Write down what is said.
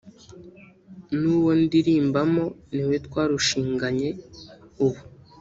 n’uwo ndirimbamo niwe twarushinganye ubu